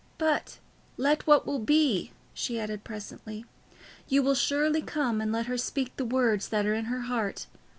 "But let what will be," she added presently. "You will surely come, and let her speak the words that are in her heart.